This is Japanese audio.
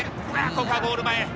ここはゴール前。